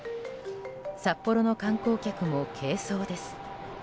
札幌の観光客も軽装です。